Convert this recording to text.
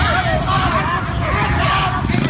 เอ๊ะ